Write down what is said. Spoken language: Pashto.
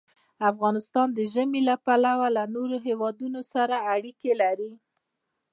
افغانستان د ژمی له پلوه له نورو هېوادونو سره اړیکې لري.